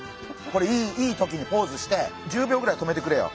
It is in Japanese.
これいい時にポーズして１０秒ぐらい止めてくれよ。